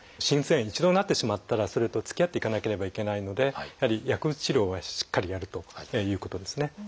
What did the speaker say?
心不全に一度なってしまったらそれとつきあっていかなければいけないのでやはり薬物治療はしっかりやるということですね。